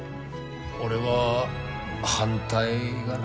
俺は反対がな。